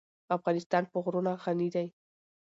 افغانستان په غرونه غني دی.